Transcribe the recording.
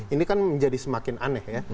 ini kan menjadi semakin aneh ya